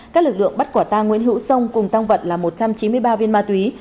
các lực lượng bắt quả tang nguyễn hữu sông cùng tăng vật là một trăm chín mươi ba viên ma túy